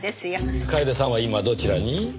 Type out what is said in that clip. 楓さんは今どちらに？